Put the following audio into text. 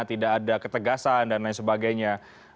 tidak ada ketegasan dan lain sebagainya